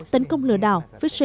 tấn công lừa đảo